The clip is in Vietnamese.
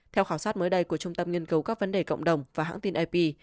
theo khảo sát mới đây của trung tâm nghiên cấu các vấn đề cộng đồng và hãng tin ip